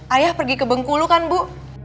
ayah pergi ke bengkulu kan bu